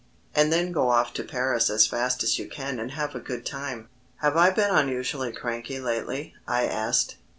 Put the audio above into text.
And then get off to Paris as fast as you can and have a good time." "Have I been unusually cranky lately?" I asked.